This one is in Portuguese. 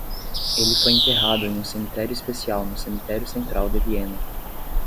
Ele foi enterrado em um cemitério especial no cemitério central de Viena.